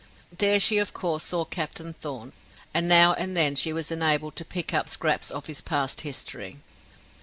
There she of course saw Captain Thorn, and now and then she was enabled to pick up scraps of his past history.